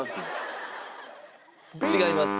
違います。